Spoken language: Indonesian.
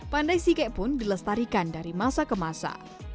pandai sike pun dilestarikan dari masa ke masa